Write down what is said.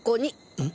うん？